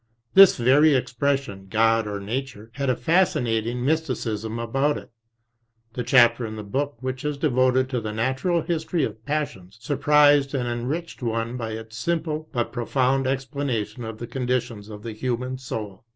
His very expression, God or Nature, had a fascinating mysticism about it. The chapter in the book which is devoted to the Natural History of passions, surprised and enriched one by its simple, but pro found, explanation of the conditions of the human soul.